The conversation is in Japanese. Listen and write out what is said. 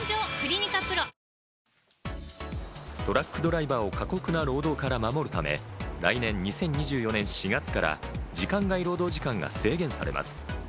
トラックドライバーを過酷な労働から守るため、来年２０２４年４月から時間外労働時間が制限されます。